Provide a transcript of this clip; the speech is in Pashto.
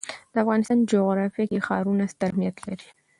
د افغانستان جغرافیه کې ښارونه ستر اهمیت لري.